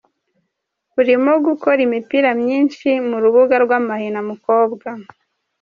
urimo gukora imipira myinshi mu rubuga rw’amahina mukobwa.